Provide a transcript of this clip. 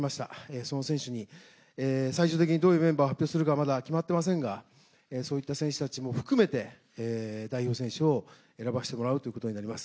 その選手に最終的にどういうメンバーを発表するかまだ決まっていませんが、そういった選手たちも含めて代表選手を選ばせてもらうということになります。